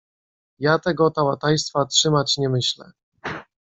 "Ja tego tałałajstwa trzymać nie myślę."